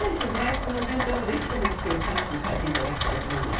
このお弁当も、ぜひ、この危機をチャンスに変えていただきたいと思います。